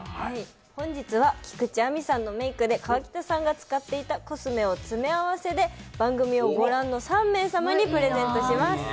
本日は菊地亜美さんのメイクで河北さんが使っていたコスメを詰め合わせて番組を御覧の３名様にプレゼントします。